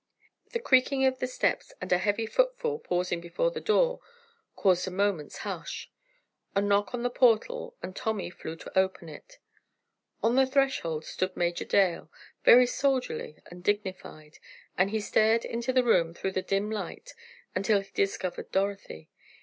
The creaking of the steps and a heavy footfall pausing before the door, caused a moment's hush. A knock on the portal and Tommy flew to open it. On the threshold stood Major Dale, very soldierly and dignified, and he stared into the room through the dim light until he discovered Dorothy.